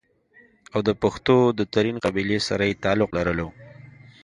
او دَپښتنو دَ ترين قبيلې سره ئې تعلق لرلو